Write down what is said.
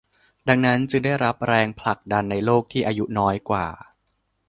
ดังนั้นจึงได้รับแรงผลักดันในโลกที่อายุน้อยกว่า